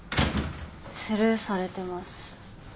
スルーされてます。